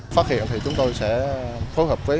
phát hiện thì chúng tôi sẽ phối hợp với